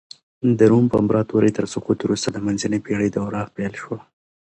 د روم امپراطورۍ تر سقوط وروسته د منځنۍ پېړۍ دوره پيل سوه.